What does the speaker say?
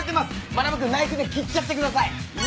まなぶ君ナイフで切っちゃってください。